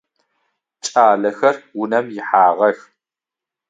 Кӏалэхэр унэм ихьагъэх.